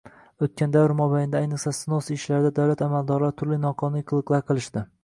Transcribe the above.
O‘tgan davr mobaynida ayniqsa snos ishlarida davlat amaldorlari turli noqonuniy qiliqlar qilishdi.